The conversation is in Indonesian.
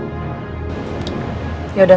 lama banget deh